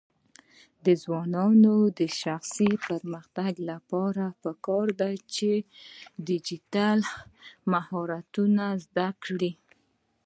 د ځوانانو د شخصي پرمختګ لپاره پکار ده چې ډیجیټل مهارتونه زده کړي.